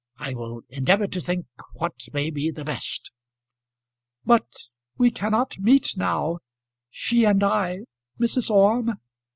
I will endeavour to think what may be the best." "But we cannot meet now. She and I; Mrs. Orme?"